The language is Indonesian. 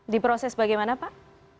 diproses bagaimana pak